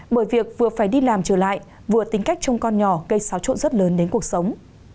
bởi việc vừa phải đi làm trở lại vừa tính cách chung con nhỏ gây xáo trộn rất lớn đến cuộc sống